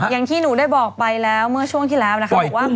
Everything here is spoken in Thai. อย่างที่หนูได้บอกไปแล้วเมื่อช่วงที่แล้วนะคะบอกว่า